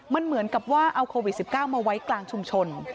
มันเหมือนกับว่าเอาโควิด๑๙มาไว้กลางชุมชน